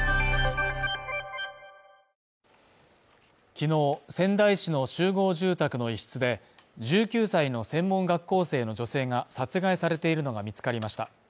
昨日、仙台市の集合住宅の一室で、１９歳の専門学校生の女性が殺害されているのが見つかりました。